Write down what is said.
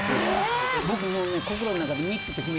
僕もうね。